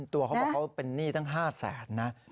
ตัวเขาบอกเขาเป็นหนี้ตั้ง๕แสนนะ